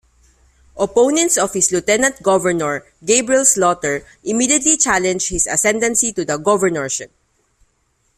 Opponents of his lieutenant governor, Gabriel Slaughter, immediately challenged his ascendancy to the governorship.